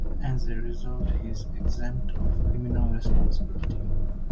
As a result, he's exempt of criminal responsibility.